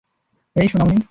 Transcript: হেই, সোনামণি!